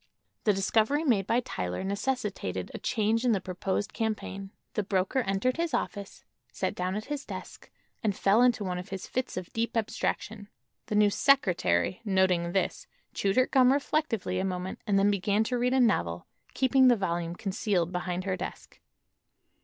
The discovery made by Tyler necessitated a change in the proposed campaign. The broker entered his office, sat down at his desk and fell into one of his fits of deep abstraction. The new "secretary," noting this, chewed her gum reflectively a moment and then began to read a novel, keeping the volume concealed behind her desk.